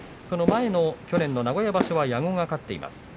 その前の去年名古屋は矢後が勝っています。